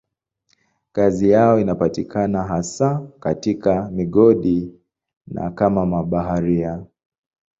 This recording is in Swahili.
Kazi yao inapatikana hasa katika migodi na kama mabaharia.